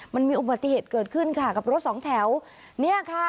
มันมีอุบัติเหตุเกิดขึ้นค่ะกับรถสองแถวเนี่ยค่ะ